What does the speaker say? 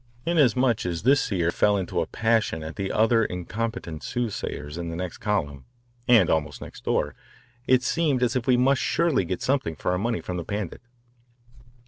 Inasmuch as this seer fell into a passion at the other incompetent soothsayers in the next column (and almost next door) it seemed as if we must surely get something for our money from the Pandit.